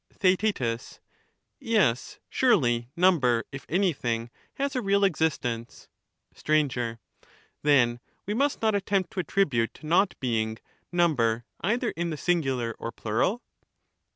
TheaeL Yes, surely number, if anything, has a real ex istence. Sir. Then we must not attempt to attribute to not being i number either in the singular or plural